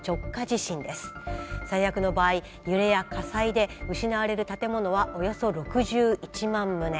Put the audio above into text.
最悪の場合揺れや火災で失われる建物はおよそ６１万棟。